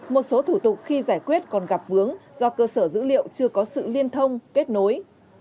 một số thủ tục khi giải quyết còn gặp vướng do cơ sở dữ liệu chưa có sự liên thông kết nối